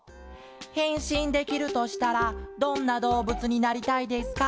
「へんしんできるとしたらどんなどうぶつになりたいですか？」。